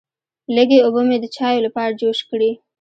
لږې اوبه مې د چایو لپاره جوش کړې.